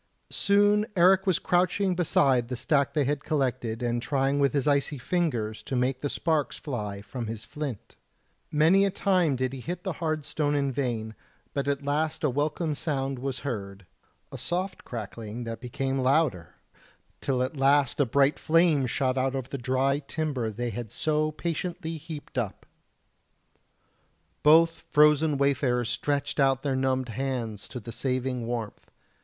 Soon Eric was crouching beside the stack they had collected and trying with his icy fingers to make the sparks fly from his flint; many a time did he hit the hard stone in vain, but at last a welcome sound was heard a soft crackling that became louder, till at last a bright flame shot out over the dry timber they had so patiently heaped up. Both frozen wayfarers stretched out their numbed hands to the saving warmth.